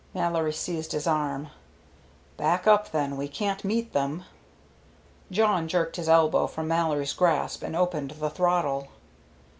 Mallory seized his arm. "Back up, then. We can't meet them." Jawn jerked his elbow from Mallory's grasp and opened the throttle.